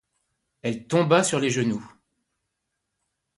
Elle tomba sur les genoux.